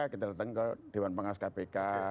kita datang ke dewan pengawas kpk